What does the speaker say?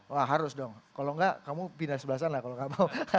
wah harus dong kalau enggak kamu pindah sebelah sana kalau nggak mau